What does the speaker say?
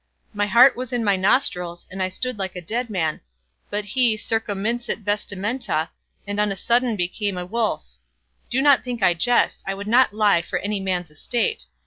My heart was in my nostrils, and I stood like a dead man; but he "circumminxit vestimenta", and on a sudden became a wolf. Do not think I jest; I would not lie for any man's estate.